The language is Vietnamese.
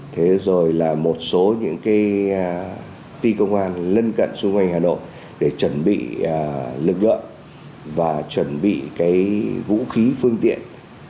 thế rồi là một số những cái ti công an lân cận xung quanh hà nội để chuẩn bị lực lượng và chuẩn bị cái vũ khí phương tiện